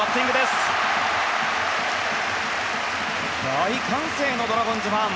大歓声のドラゴンズファン！